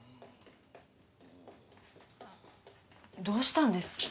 どうしたんです？